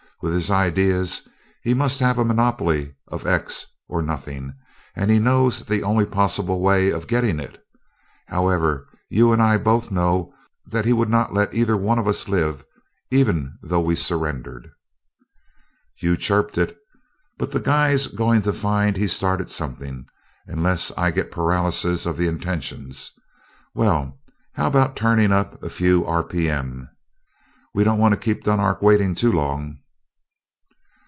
With his ideas, he must have a monopoly of 'X' or nothing; and he knows the only possible way of getting it. However, you and I both know that he would not let either one of us live, even though we surrendered." "You chirped it! But that guy's going to find he's started something, unless I get paralysis of the intentions. Well, how about turning up a few R. P. M.? We don't want to keep Dunark waiting too long."